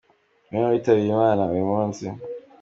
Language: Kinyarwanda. Bamwe mu bitabye Imana uyu munsi:.